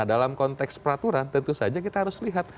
dalam konteks peraturan tentu saja kita harus lihat